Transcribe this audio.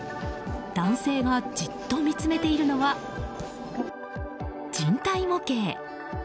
男性がじっと見つめているのは人体模型。